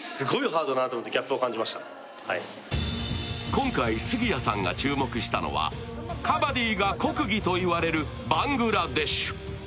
今回、杉谷さんが注目したのはカバディが国技といわれるバングラデシュ。